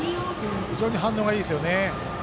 非常に反応がいいですよね。